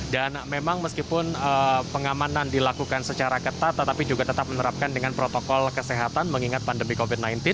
dan memang meskipun pengamanan dilakukan secara ketat tetapi juga tetap menerapkan dengan protokol kesehatan mengingat pandemi covid sembilan belas